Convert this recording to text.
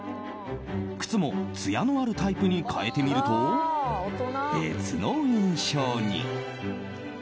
靴もツヤのあるタイプに変えてみると、別の印象に。